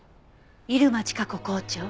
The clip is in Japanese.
入間千加子校長？